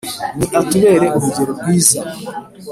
ni atubere urugero rwiza